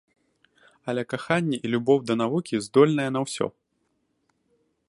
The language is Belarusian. Але каханне і любоў да навукі здольныя на ўсё.